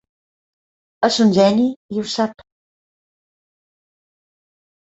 És un geni, i ho sap.